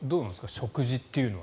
食事っていうのは。